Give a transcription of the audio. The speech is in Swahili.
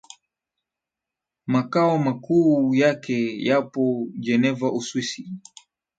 Makao makuu yake yapo Geneva Uswisi